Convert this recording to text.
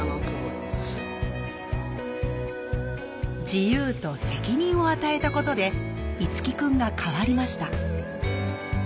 自由と責任を与えたことで樹くんが変わりました。